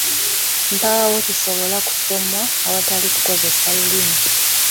Mpaawo kisobola kusomwa awatali kukozesa lulimi.